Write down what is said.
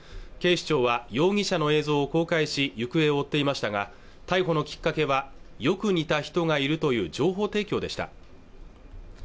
警視庁は容疑者の映像を公開し行方を追っていましたが逮捕のきっかけはよく似た人がいるという情報提供でした